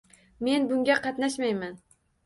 Men bunga qatnashmаyman.